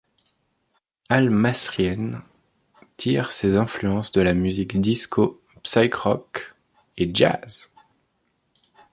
Al Massrieen tire ses influences de la musique disco, psych rock et jazz.